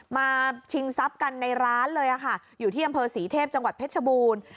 ชิงทรัพย์กันในร้านเลยค่ะอยู่ที่อำเภอศรีเทพจังหวัดเพชรบูรณ์